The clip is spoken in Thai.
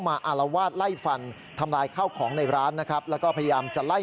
โทษทีโทษทีโทษทีโทษที